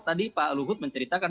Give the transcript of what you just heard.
tadi pak luhut menceritakan